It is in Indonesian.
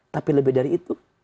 tapi lebih dari itu